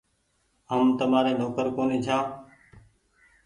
هم تمآري نوڪر ڪونيٚ ڇآن